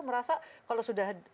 merasa kalau sudah